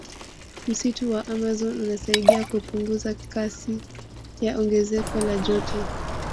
Msitu wa amazon unasaidia kupunguza kasi ya ongezeko la joto